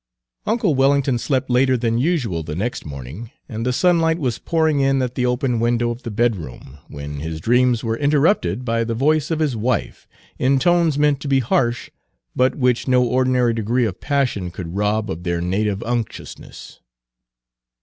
Uncle Wellington slept later than usual the next morning, and the sunlight was pouring in at the open window of the bedroom, when his dreams were interrupted by the voice of his wife, in tones meant to be harsh, but which no ordinary degree of passion could rob of their native unctuousness.